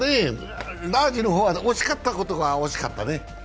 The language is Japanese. ラージの方は惜しかったことは惜しかったね。